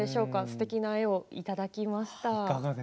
すてきな絵をいただきました。